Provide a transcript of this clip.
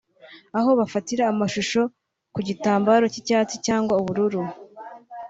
aho bafatira amashusho ku gitambaro cy’icyatsi cyangwa ubururu